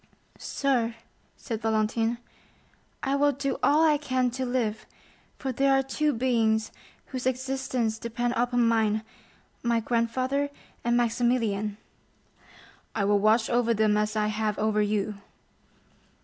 "Sir," said Valentine, "I will do all I can to live, for there are two beings who love me and will die if I die—my grandfather and Maximilian." "I will watch over them as I have over you."